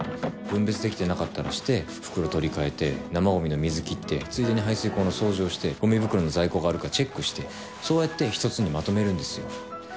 分別できてなかったらして袋取り換えて生ごみの水切ってついでに排水口の掃除をしてごみ袋の在庫があるかチェックしてそうやって１つにまとめるんですよ。